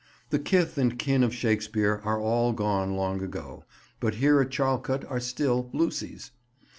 The kith and kin of Shakespeare are all gone long ago, but here at Charlecote are still Lucys.